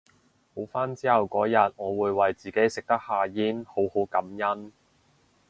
好返之後嗰日我會為自己食得下嚥好好感恩